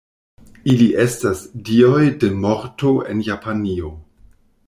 Ili estas dioj de morto en Japanio.